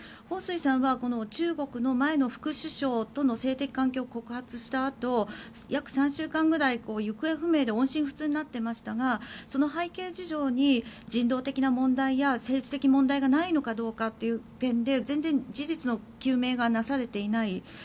ホウ・スイさんは中国の前の副首相との性的関係を告発したあと約３週間ぐらい行方不明で音信不通になっていましたがその背景事情に人道的な問題や政治的問題がないのかどうかという点で全然事実の究明がなされていない。